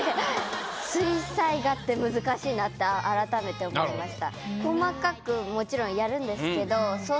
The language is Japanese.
水彩画って難しいなって改めて思いました。